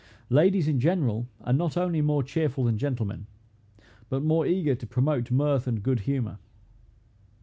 Ladies, in general, are not only more cheerful than gentlemen, but more eager to promote mirth and good humor.